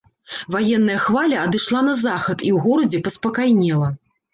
Ваенная хваля адышла на захад, і ў горадзе паспакайнела.